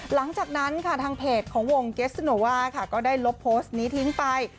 หลังจากนั้นค่ะทางเพจของวงเกสโนว่าค่ะก็ได้ลบโพสต์นี้ทิ้งไป